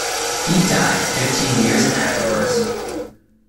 He died fifteen years afterwards.